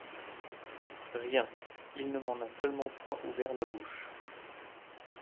Rien, il ne m’en a seulement point ouvert la bouche…